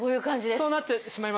そうなってしまいますよね。